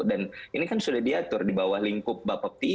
dan ini kan sudah diatur di bawah lingkup bapepti